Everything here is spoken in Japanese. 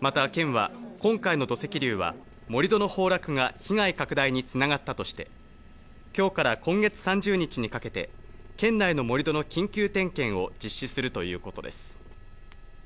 また県は今回の土石流は盛り土崩落が被害拡大に繋がったとして、今日から今月３０日にかけて、県内の盛り土の緊急点検を実施するということです。